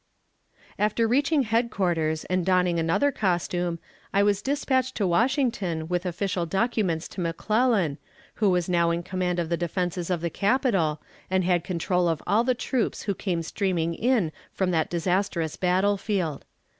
After reaching headquarters and donning another costume, I was dispatched to Washington with official documents to McClellan, who was now in command of the defenses of the Capital, and had control of all the troops who came streaming in from the disastrous battle field.